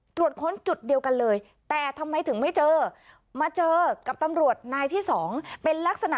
ตรวจค้นจุดเดียวกันเลยแต่ทำไมถึงไม่เจอ